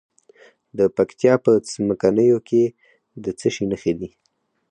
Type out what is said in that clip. د پکتیا په څمکنیو کې د څه شي نښې دي؟